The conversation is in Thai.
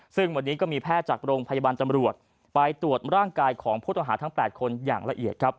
ซึ่งวันนี้ก็มีแพทย์จากโรงพยาบาลตำรวจไปตรวจร่างกายของผู้ต้องหาทั้ง๘คนอย่างละเอียดครับ